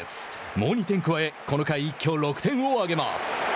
もう２点加えこの回、一挙６点を挙げます。